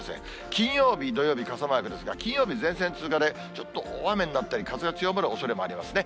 金曜日、土曜日、傘マークですが、金曜日、前線通過で、ちょっと大雨になったり、風が強まるおそれもありますね。